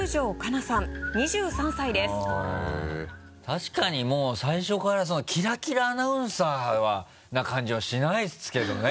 確かにもう最初からその「キラキラアナウンサー」な感じはしないですけどね。